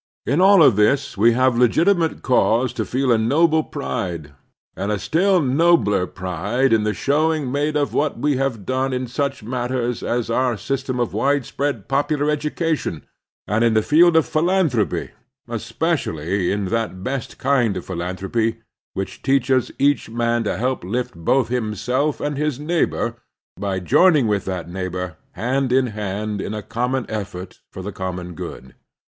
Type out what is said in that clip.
In all of this we have legitimate cause to feel a noble pride, and a still nobler pride in the showing made of what we have done in such matters as our system of widespread popular education and in the field of philanthropy, especially in that best kind of philanthropy which teaches each man to help lift both himself and his neighbor by joining with that neighbor hand in hand in a common effort for the common good.